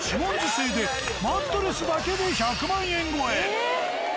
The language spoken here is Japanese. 製でマットレスだけで１００万円超え。